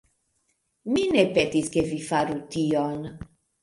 Mi ne petis, ke vi faru tion...